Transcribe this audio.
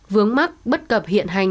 vướng mắt bất cập hiện hành